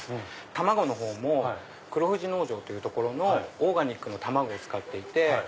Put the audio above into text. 卵の方も黒富士農場のオーガニックの卵を使っていて。